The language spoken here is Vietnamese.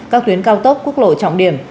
các tuyến cao tốc quốc lộ trọng điểm